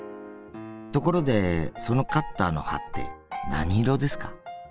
ところでそのカッターの刃って何色ですか？